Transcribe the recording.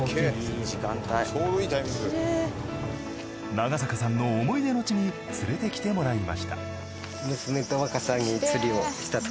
長坂さんの思い出の地に連れてきてもらいました。